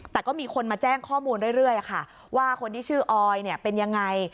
แต่ก็มีคนมาแจ้งข้อมูลเรื่อยค่ะว่าคนที่ชื่อออยเนี่ยเป็นยังไง